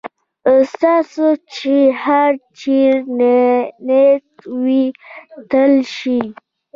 ستا چې هر چېرې نیت وي تلای شې.